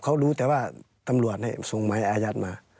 เขารู้แต่ว่าตำรวจส่งหมายอายัดมา